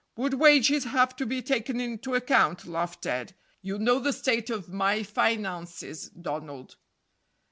"Would wages have to be taken into account?" laughed Ted; "you know the state of my finances, Donald."